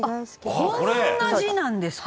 「こんな字なんですか？」